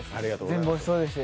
全部おいしそうでしたし。